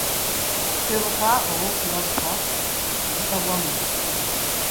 Okutebuka oba okulabuka obutagwa mu nsobi.